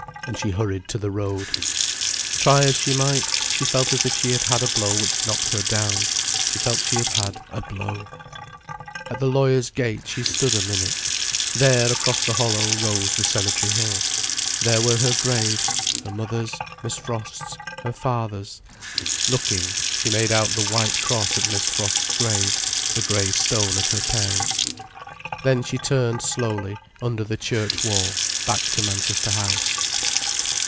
And she hurried to the road. Try as she might, she felt as if she had had a blow which knocked her down. She felt she had had a blow. At the lawyer's gate she stood a minute. There, across a little hollow, rose the cemetery hill. There were her graves: her mother's, Miss Frost's, her father's. Looking, she made out the white cross at Miss Frost's grave, the grey stone at her parents'. Then she turned slowly, under the church wall, back to Manchester House.